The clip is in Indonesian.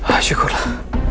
ah syukur lah